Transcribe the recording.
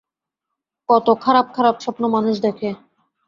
কত খারাপ-খারাপ স্বপ্ন মানুষ দেখে।